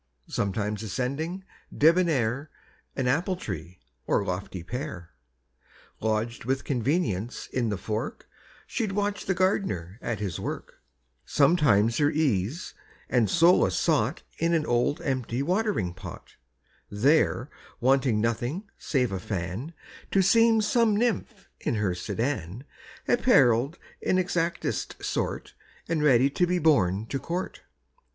Sometimes ascending, debonnair, An apple tree, or lofty pear, Lodged with convenience in the fork, She watch'd the gardener at his work; Sometimes her ease and solace sought In an old empty watering pot: There, wanting nothing save a fan, To seem some nymph in her sedan Apparell'd in exactest sort, And ready to be borne to court.